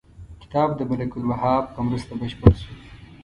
کتاب د ملک الوهاب په مرسته بشپړ شو.